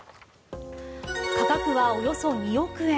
価格はおよそ２億円。